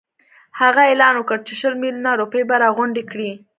هغه اعلان وکړ چې شل میلیونه روپۍ به راغونډي کړي.